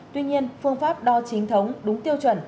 tuy nhiên phương pháp đo chính thống đúng tiêu chuẩn